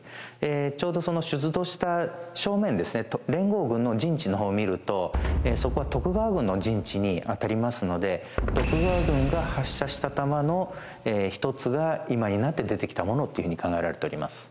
ちょうどその出土した正面ですね連合軍の陣地の方を見るとそこは徳川軍の陣地にあたりますので徳川軍が発射した弾の一つが今になって出てきたものというふうに考えられております。